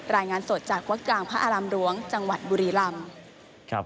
รายงานสดจากวักกลางพระอารำรวงจังหวัดบุรีรัมพ์